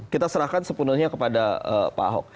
kita serahkan sepenuhnya kepada pak ahok